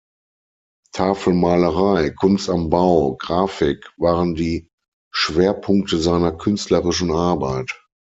Tafelmalerei, Kunst am Bau, Grafik waren die Schwerpunkte seiner künstlerischen Arbeit.